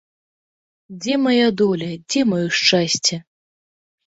Дзе мая доля, дзе маё шчасце?